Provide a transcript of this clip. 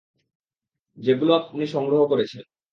যেগুলো আপনি সংগ্রহ করেছেন।